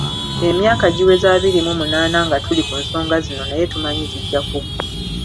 Emyaka giweze abiri mu munaana nga tuli ku nsonga zino naye tumanyi zijja kuggwa